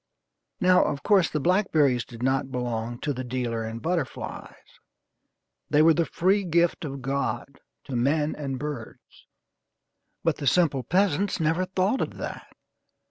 Now, of course, the blackberries did not belong to the dealer in butterflies. They were the free gift of God to men and birds. But the simple peasants never thought of that.